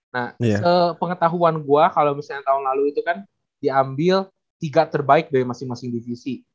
nah pengetahuan gue kalau misalnya tahun lalu itu kan diambil tiga terbaik dari masing masing divisi